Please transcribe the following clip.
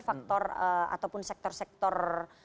faktor ataupun sektor sektor